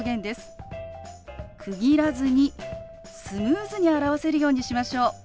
区切らずにスムーズに表せるようにしましょう。